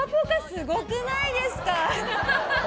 すごくないですか？